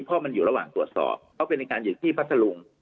เพราะมันอยู่ระหว่างตรวจสอบเขาเป็นในการอยู่ที่พัทธลุง